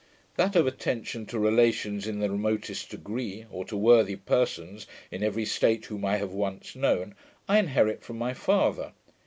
That of attention to relations in the remotest degree, or to worthy persons, in every state whom I have once known, I inherit from my father.